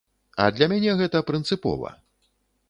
А для мяне гэта прынцыпова.